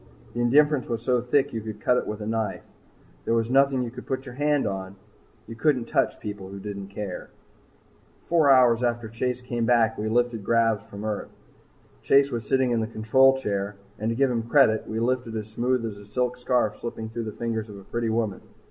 The indifference was so thick you could cut it with a knife. Yet there was nothing you could put your hand on. You can't touch people who don't care. Four hours after Chase came back, we lifted gravs from Earth. Chase was sitting in the control chair, and to give him credit, we lifted as smooth as a silk scarf slipping through the fingers of a pretty woman.